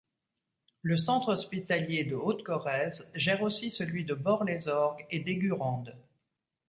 Le centre hospitalier de Haute-Corrèze gère aussi celui de Bort-les-Orgues et d'Eygurande.